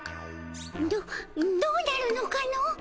どどうなるのかの？